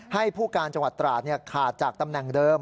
ให้ผู้การจังหวัดตราดขาดจากตำแหน่งเดิม